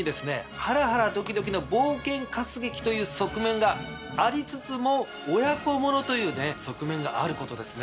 ハラハラドキドキの冒険活劇という側面がありつつも親子ものという側面があることですね。